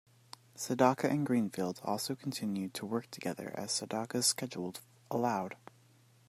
Sedaka and Greenfield also continued to work together as Sedaka's schedule allowed.